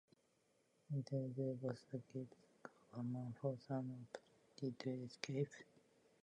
Attempting to do both he gave the German forces an opportunity to escape.